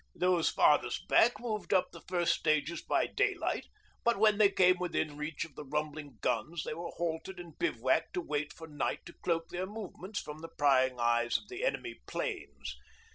Those farthest back moved up the first stages by daylight, but when they came within reach of the rumbling guns they were halted and bivouacked to wait for night to cloak their movements from the prying eyes of the enemy 'planes.